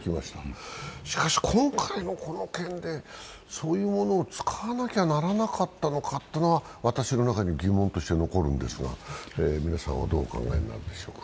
しかし今回のこの件で、そういうものを使わなきゃならなかったのかというのは私の中に疑問として残るんですが、皆さんはどうお考えになるでしょうか。